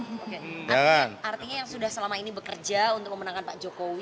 artinya yang sudah selama ini bekerja untuk memenangkan pak jokowi